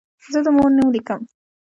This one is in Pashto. زه د مور نوم لیکم.